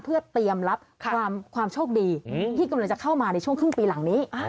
เพื่อเตรียมรับความโชคดีที่กำลังจะเข้ามาในช่วงครึ่งปีหลังนี้